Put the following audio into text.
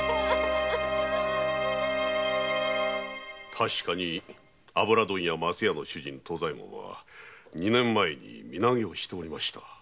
確かに油問屋・升屋藤左衛門は二年前に身投げをしておりました。